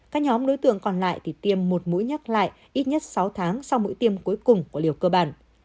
các nhóm đối tượng còn lại tiêm một mũi nhắc lại ít nhất sáu tháng sau mũi tiêm cuối cùng của liều cơ bản